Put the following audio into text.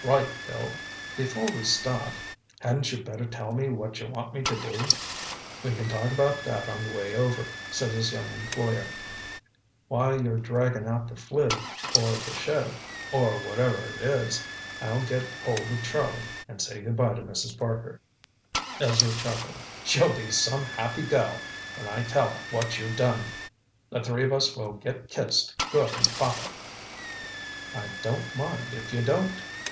"Right, Bill. Before we start, hadn't you better tell me what you want me to do?" "We can talk about that on the way over," said his young employer. "While you're dragging out the fliv. or the Chev. or whatever it is, I'll get hold of Charlie and say goodbye to Mrs. Parker." Ezra chuckled. "She'll be some happy girl when I tell her what you've done. The three of us will get kissed good and proper!" "I don't mind, if you don't!"